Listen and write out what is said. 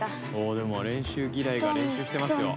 でも練習ギライが練習してますよ。